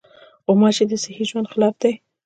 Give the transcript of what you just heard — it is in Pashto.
غوماشې د صحي ژوند خلاف دي.